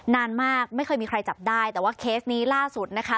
นานมากไม่เคยมีใครจับได้แต่ว่าเคสนี้ล่าสุดนะคะ